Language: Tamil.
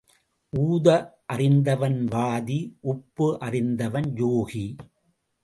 ஊத அறிந்தவன் வாதி, உப்பு அறிந்தவன் யோகி.